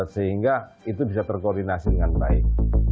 sehingga itu bisa terkoordinasi dengan baik